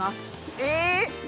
えっ！